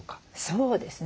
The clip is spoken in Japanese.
そうですね。